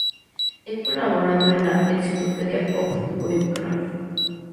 Ha colaborado en "La Encyclopedia of Witchcraft.